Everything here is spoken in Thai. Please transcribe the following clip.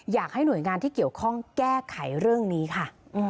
อยากให้หน่วยงานที่เกี่ยวข้องแก้ไขเรื่องนี้ค่ะ